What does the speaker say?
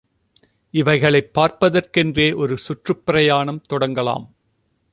இவைகளைப் பார்ப்பதற்கென்றே ஒரு சுற்றுப் பிரயாணம் தொடங்கலாம்.